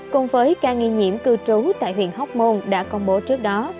cùng với ca nghi nhiễm cư trú tại huyện hóc môn đã công bố trước đó